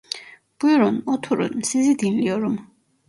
Buyrun, oturun, sizi dinliyorum.